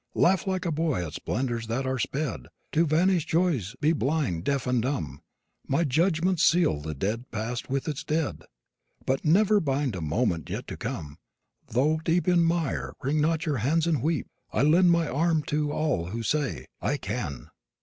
Laugh like a boy at splendors that are sped; To vanished joys be blind and deaf and dumb; My judgments seal the dead past with its dead, But never bind a moment yet to come. Though deep in mire, wring not your hands and weep, I lend my arm to all who say, "I can."